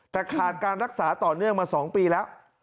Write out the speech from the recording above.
แต่ขาดการรักษาต่อเนื่องมา๒ปีแล้ว